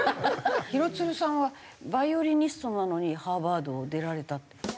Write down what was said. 廣津留さんはバイオリニストなのにハーバードを出られた。